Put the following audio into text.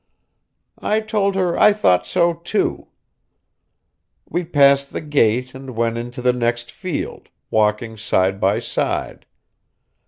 I told her I thought so, too. We passed the gate and went into the next field, walking side by side.